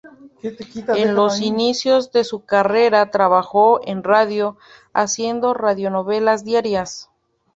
En los inicios de su carrera trabajó en radio haciendo radionovelas diarias.